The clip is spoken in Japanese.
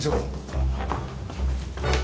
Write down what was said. ああ。